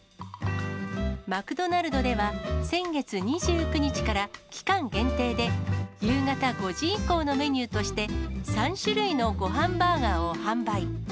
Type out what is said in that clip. マクドナルドでは先月２９日から、期間限定で夕方５時以降のメニューとして、３種類のごはんバーガーを販売。